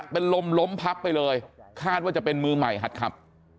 เป็นลมล้มพับไปเลยคาดว่าจะเป็นมือใหม่หัดขับ